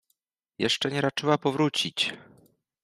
— Jeszcze nie raczyła powrócić!